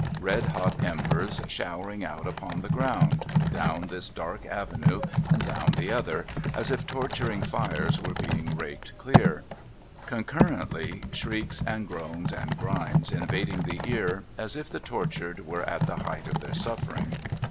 Red hot embers showering out upon the ground, down this dark avenue, and down the other, as if torturing fires were being raked clear; concurrently, shrieks and groans and grinds invading the ear, as if the tortured were at the height of their suffering.